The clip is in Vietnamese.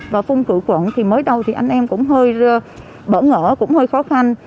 và phung cử quận thì mới đầu thì anh em cũng hơi bỡ ngỡ cũng hơi khó khăn